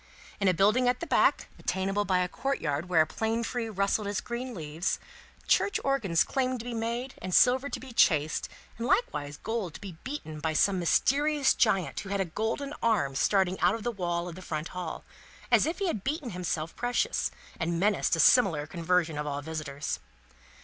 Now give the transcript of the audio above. In a building at the back, attainable by a courtyard where a plane tree rustled its green leaves, church organs claimed to be made, and silver to be chased, and likewise gold to be beaten by some mysterious giant who had a golden arm starting out of the wall of the front hall as if he had beaten himself precious, and menaced a similar conversion of all visitors.